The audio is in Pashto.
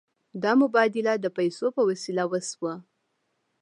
دا مبادله د پیسو په وسیله وشوه.